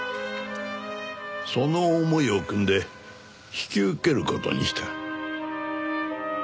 その思いをくんで引き受ける事にした。